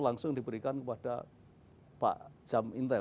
langsung diberikan kepada pak jam intel